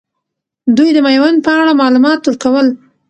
دوي د میوند په اړه معلومات ورکول.